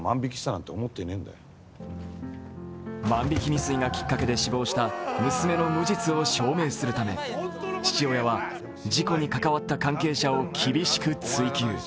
万引き未遂がきっかけで死亡した娘の無実を証明するため父親は事故に関わった関係者を厳しく追及。